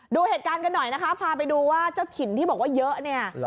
ดูเหตุการณ์กันหน่อยนะคะพาไปดูว่าเจ้าถิ่นที่บอกว่าเยอะเนี่ย